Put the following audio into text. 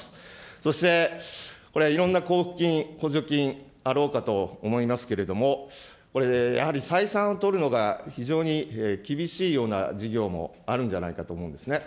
そして、これ、いろんな交付金、補助金、あろうかと思いますけれども、これ、やはり採算をとるのが、非常に厳しいような事業もあるんじゃないかと思うんですね。